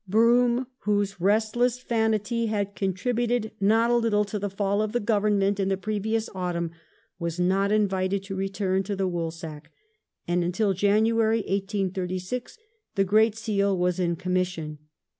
Brougham, whose restless vanity had contributed not a little to the fall of the Government in the previous autumn, was not invited to return to the Woolsack, and until January, 1836, the great Seal was in commission.